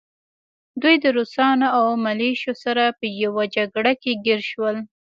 دوی د روسانو او ملیشو سره په يوه جګړه کې ګیر شول